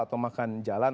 atau makan jalan